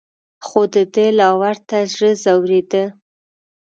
خو دده لا ورته زړه ځورېده.